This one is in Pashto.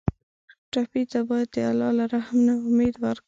ټپي ته باید د الله له رحم نه امید ورکړو.